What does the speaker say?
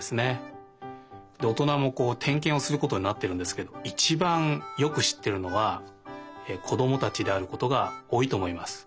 おとなもてんけんをすることになってるんですけどいちばんよくしってるのはこどもたちであることがおおいとおもいます。